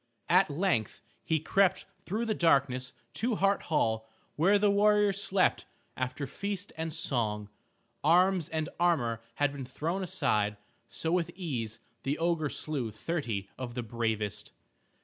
At length he crept through the darkness to Hart Hall where the warriors slept after feast and song. Arms and armor had been thrown aside, so with ease the ogre slew thirty of the bravest.